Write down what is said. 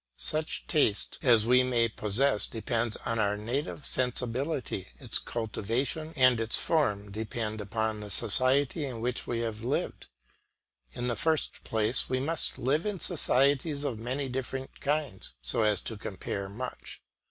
Such taste as we may possess depends on our native sensibility; its cultivation and its form depend upon the society in which we have lived. In the first place we must live in societies of many different kinds, so as to compare much.